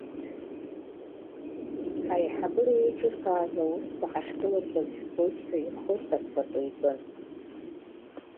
Ҳаиҳабыра еиҿыркааз аусқәа ҳахькылыргаз жәбоит ҳәа ихы ыркаткато икын.